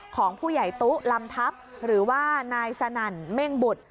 ของผู้ใหญ่ตุ๊ลำทัพหรือว่านายสนั่นเม่งบุตร